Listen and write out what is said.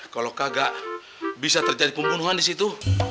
kalau kagak bisa terjadi pembunuhan di situ